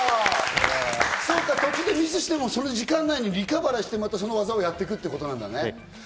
そうか、途中でミスしても時間内にリカバリーして、その技をまたやっていくってことなんだね。